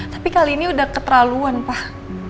tapi kali ini udah keterlaluan pak